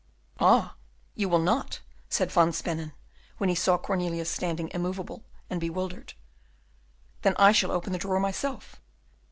"Ah! you will not," said Van Spennen, when he saw Cornelius standing immovable and bewildered, "then I shall open the drawer myself."